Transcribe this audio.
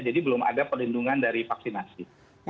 jadi belum ada perlindungan dari vaksinasi